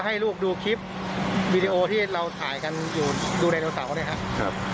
ก็ให้ลูกดูคลิปวีดีโอที่เราถ่ายกันดูไดโนเซานะครับ